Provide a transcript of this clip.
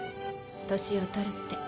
年を取るって。